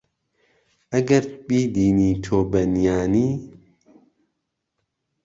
ئەگهر بیدینی تۆ به نییانی